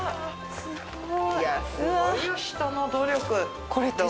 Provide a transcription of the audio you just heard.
すごい。